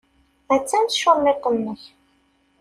Attan tculliḍt-nnek.